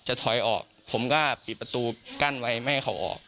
ถอยออกผมก็ปิดประตูกั้นไว้ไม่ให้เขาออก